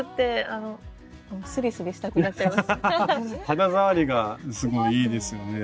肌触りがすごいいいですよね